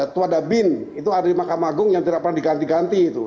tuadabin itu ada di mahkamah agung yang tidak pernah diganti ganti itu